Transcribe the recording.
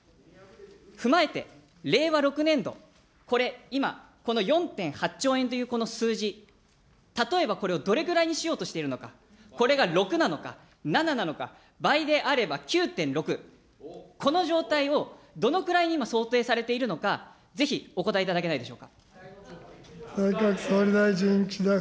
踏まえて、令和６年度、これ、今この４．８兆円というこの数字、例えばこれをどれぐらいにしようとしているのか、これが６なのか、７なのか、倍、であれば９．６、この状態をどのぐらいに今、想定されているのか、ぜひお答えいただけないでしょうか。